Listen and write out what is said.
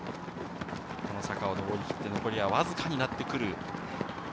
この坂をのぼりきって、残りはわずかになってくる。